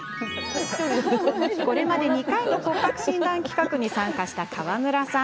これまで２回の骨格診断企画に参加した川村さん。